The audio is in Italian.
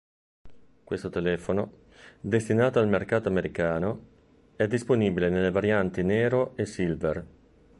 Questo telefono, destinato al mercato americano, è disponibile nelle varianti nero e silver.